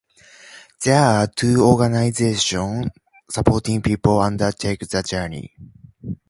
There are two organisations supporting people undertaking the journey.